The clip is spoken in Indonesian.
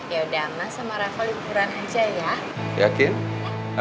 yaudah mas sama reva liburan aja ya